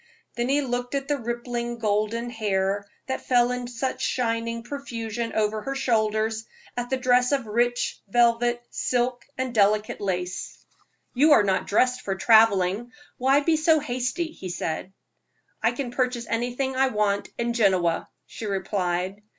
Then he looked at the rippling, golden hair, that fell in such shining profusion over her shoulders, at the dress of rich velvet, silk and delicate lace. "You are not dressed for traveling. Why be so hasty?" he said. "I can purchase anything I want at Genoa," she replied.